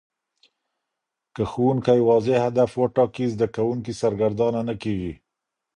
که ښوونکی واضح هدف وټاکي، زده کوونکي سرګردانه نه کېږي.